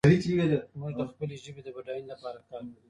موږ د خپلې ژبې د بډاینې لپاره کار کوو.